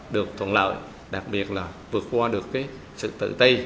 được thuận lợi đặc biệt là vượt qua được sự tự ti